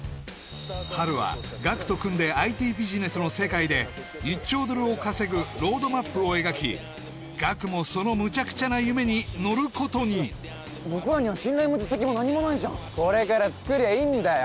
ハルはガクと組んでＩＴビジネスの世界で１兆ドルを稼ぐロードマップを描きガクもそのむちゃくちゃな夢に乗ることに僕らには信頼も実績も何にもないじゃんこれから作りゃいいんだよ